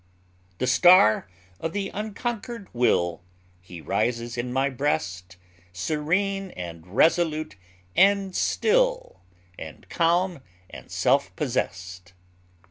The star of the unconquered will, He rises in my breast, Serene, and resolute, and still, And calm, and self possessed.